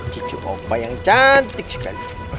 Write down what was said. cucu omba yang cantik sekali